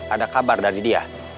ada kabar dari dia